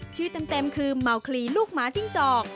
ชื่อเต็มคือเมาคลีลูกหมาจิ้งจอก